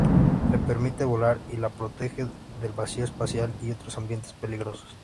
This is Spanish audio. Le permite volar y la protege del vacío espacial y otros ambientes peligrosos.